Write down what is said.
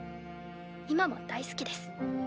今も大好きです。